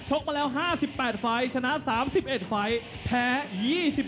ชกมาแล้ว๕๘ฟัยชนะ๓๑ฟัยแพ้๒๗ฟัยครับ